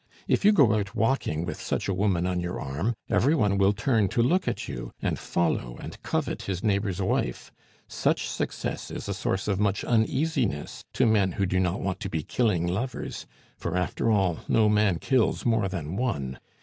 If you go out walking with such a woman on your arm, every one will turn to look at you, and follow and covet his neighbor's wife. Such success is a source of much uneasiness to men who do not want to be killing lovers; for, after all, no man kills more than one.